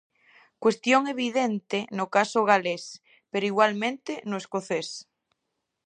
Cuestión evidente no caso galés pero igualmente no escocés.